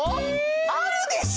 ⁉あるでしょ！